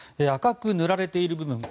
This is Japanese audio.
赤く塗られている部分